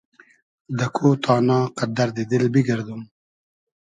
دۂ کۉ تانا قئد دئردی دیل بیگئردوم